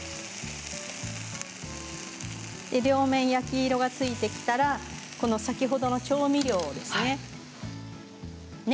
両面焼き色がついてきたら先ほどの調味料をですね